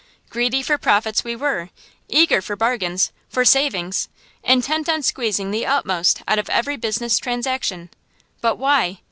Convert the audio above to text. Greedy for profits we were, eager for bargains, for savings, intent on squeezing the utmost out of every business transaction. But why?